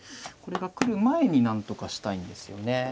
これが来る前に何とかしたいんですよね。